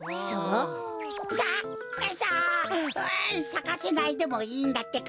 さささかせないでもいいんだってか。